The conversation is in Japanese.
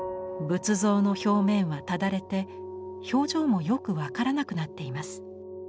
仏像の表面はただれて表情もよく分からなくなっています。